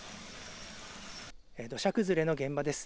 土砂崩れの現場です。